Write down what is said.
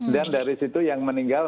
dan dari situ yang meninggal